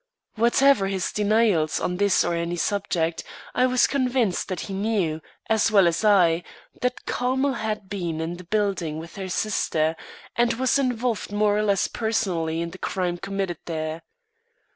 Whatever his denials on this or any subject, I was convinced that he knew, as well as I, that Carmel had been in the building with her sister, and was involved more or less personally in the crime committed there.